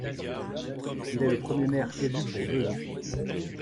Il est le premier maire élu pour deux ans.